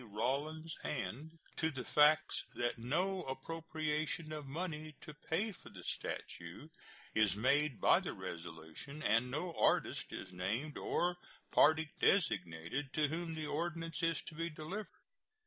Rawlins, and to the facts that no appropriation of money to pay for the statue is made by the resolution and no artist is named or party designated to whom the ordnance is to be delivered.